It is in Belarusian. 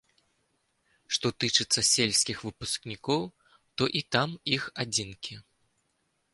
Што тычыцца сельскіх выпускнікоў, то і там іх адзінкі.